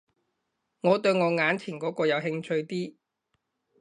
我對我眼前嗰個有興趣啲